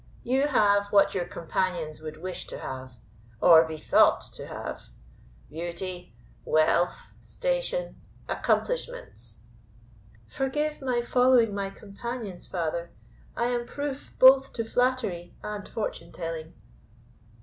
You have what your companions would wish to have, or be thought to have, beauty, wealth, station, accomplishments." "Forgive my following my companions, father; I am proof both to flattery and fortune telling."